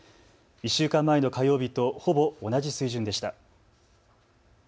１週間前の火曜日とほぼ同じ水準でした。